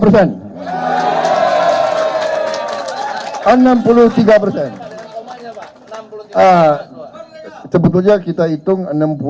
sebetulnya kita hitung